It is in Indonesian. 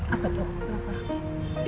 apa tuh kenapa